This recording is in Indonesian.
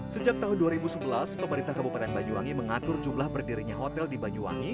sejak tahun dua ribu sebelas pemerintah kabupaten banyuwangi mengatur jumlah berdirinya hotel di banyuwangi